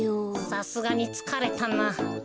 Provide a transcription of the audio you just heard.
さすがにつかれたな。